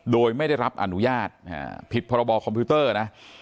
โดยไม่ได้รับอนุญาตผิดพรบคอมพิวเตอร์นะ